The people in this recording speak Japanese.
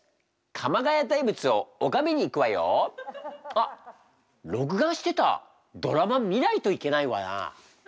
あっ録画してたドラマ見ないといけないわな。